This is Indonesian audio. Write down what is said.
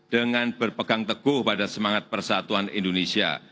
dengan berpegang teguh pada semangat persatuan indonesia